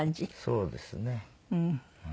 そうですねうん。